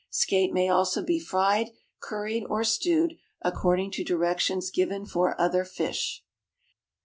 Skate may also be fried, curried, or stewed, according to directions given for other fish.